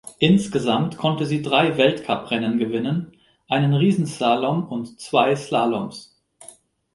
Insgesamt konnte sie drei Weltcuprennen gewinnen, einen Riesenslalom und zwei Slaloms.